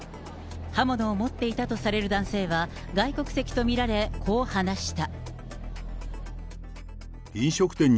刃物を持っていたとされる男性は外国籍と見られ、こう話した。